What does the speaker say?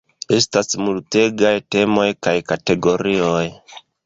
Estas multegaj temoj kaj kategorioj.